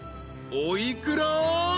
お幾ら？］